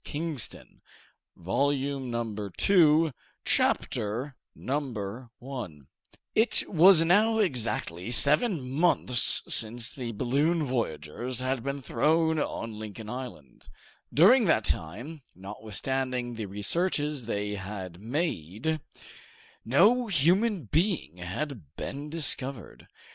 PART 2 ABANDONED Chapter 1 It was now exactly seven months since the balloon voyagers had been thrown on Lincoln Island. During that time, notwithstanding the researches they had made, no human being had been discovered.